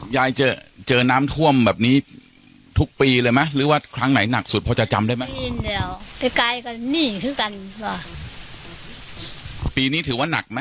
ยายจะเจอน้ำท่วมแบบนี้ทุกปีเลยมั้ยหรือว่าครั้งไหนหนักสุดพอจะจำได้มั้ยปีนี้ถือว่านักมั้ย